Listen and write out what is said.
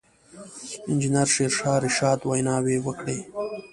انجنیر شېرشاه رشاد ویناوې وکړې.